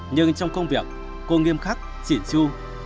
nhưng trong công việc cô nghiêm khắc chỉn chu